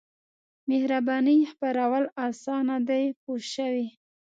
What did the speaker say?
مهربانۍ خپرول اسان دي پوه شوې!.